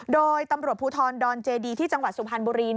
โดยตำรวจภูทรดอนเจดีที่จังหวัดสุพรรณบุรี